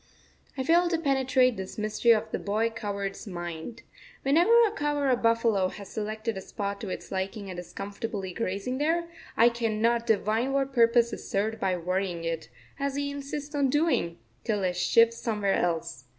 I fail to penetrate this mystery of the boy cowherd's mind. Whenever a cow or a buffalo has selected a spot to its liking and is comfortably grazing there, I cannot divine what purpose is served by worrying it, as he insists on doing, till it shifts somewhere else.